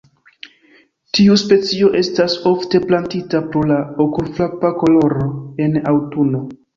Tiu specio estas ofte plantita pro la okulfrapa koloro en aŭtuno.